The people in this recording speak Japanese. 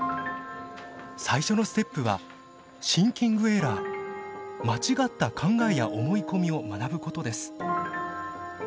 最初のステップはシンキングエラー間違った考えや思い込みを学ぶことです。